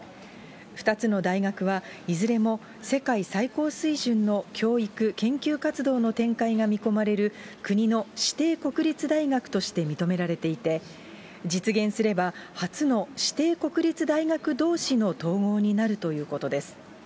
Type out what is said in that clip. ２つの大学は、いずれも世界最高水準の教育・研究活動の展開が見込まれる、国の指定国立大学として認められていて、実現すれば、初の指定国立大学どうしの統合になるということです。